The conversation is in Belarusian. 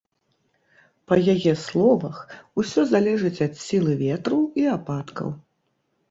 Па яе словах, усё залежыць ад сілы ветру і ападкаў.